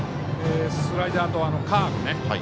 スライダーとカーブ。